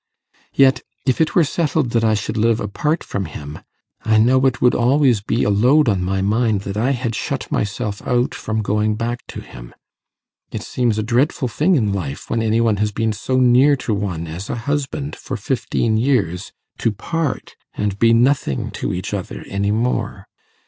Yet, if it were settled that I should live apart from him, I know it would always be a load on my mind that I had shut myself out from going back to him. It seems a dreadful thing in life, when any one has been so near to one as a husband for fifteen years, to part and be nothing to each other any more.